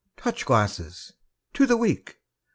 Touch glasses! To the Weak!